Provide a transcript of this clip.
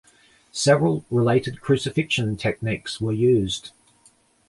Several related crucifixion techniques were used.